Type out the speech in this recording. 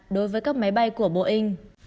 đối với các máy bay của boeing